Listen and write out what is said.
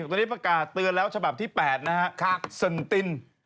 ตกสิตัวนี้ประกาศเตือนแล้วฉบับที่๘นะครับสนติน